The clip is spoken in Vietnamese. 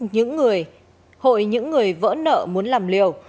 những người hội những người vỡ nợ muốn làm liều